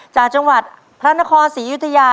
จากจังหวัดพระนครศรียุธยา